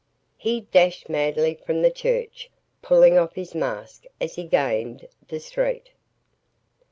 He dashed madly from the church, pulling off his mask as he gained the street.